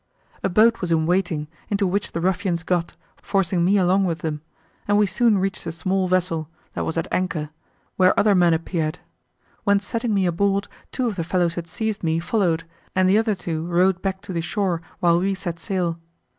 A boat was in waiting, into which the ruffians got, forcing me along with them, and we soon reached a small vessel, that was at anchor, where other men appeared, when setting me aboard, two of the fellows who had seized me, followed, and the other two rowed back to the shore, while we set sail.